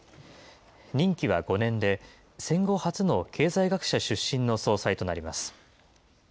任期は５年で、戦後初の経済学者出身の総裁となります。